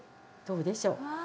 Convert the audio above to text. どうでしょう？うわ！